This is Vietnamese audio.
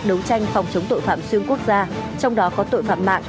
đối tranh phòng chống tội phạm xương quốc gia trong đó có tội phạm mạng